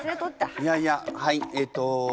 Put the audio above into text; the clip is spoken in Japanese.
いやいやはいえっと。